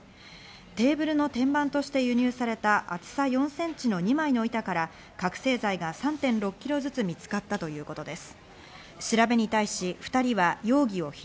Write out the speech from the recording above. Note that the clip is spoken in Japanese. テーブルの天板として輸入された厚さ４ｃｍの２枚の板から覚醒剤が３．６ｋｇずつ見つかったということです。